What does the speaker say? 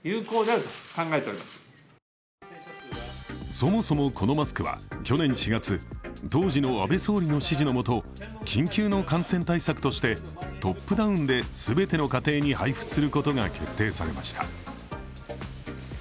そもそもこのマスクは去年４月、当時の安倍総理の指示のもと緊急の感染対策としてトップダウンで全ての家庭に配布することが決定されました。